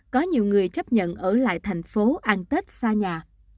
có nhiều người chấp nhận ở lại thành phố ăn tết xa nhà